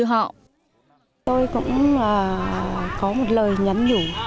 tôi cũng có một lời nhắn nhủ